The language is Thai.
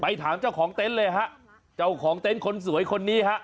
ถามเจ้าของเต็นต์เลยฮะเจ้าของเต็นต์คนสวยคนนี้ฮะ